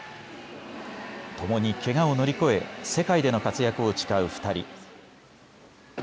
ともにけがを乗り越え世界での活躍を誓う２人。